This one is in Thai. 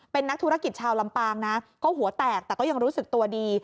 เป็นนักธุรกิจชาวลำปางนะก็หัวแตกแต่ก็ยังรู้สึกตัวดี